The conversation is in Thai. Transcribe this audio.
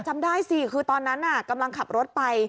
จำได้สิคือตอนนั้นกำลังขับรถไป